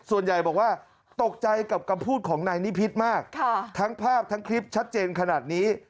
ส่วนใหญ่บอกว่าตกใจกับคำพูดของนายนิพิษมากทั้งภาพทั้งคลิปชัดเจนขนาดนี้